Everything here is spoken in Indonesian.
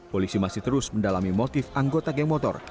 polisi masih terus mendalami motif anggota geng motor